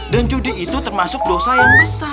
dan judi itu termasuk dosa yang berkata